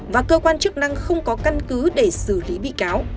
và cơ quan chức năng không có căn cứ để xử lý bị cáo